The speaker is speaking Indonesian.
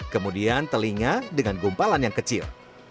kemudian telinga dengan gumpalan yang kecil